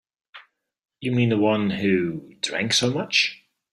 You mean the one who drank so much?